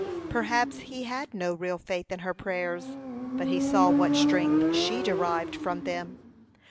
Perhaps he had no real faith in her prayers, but he saw what strength she derived from them.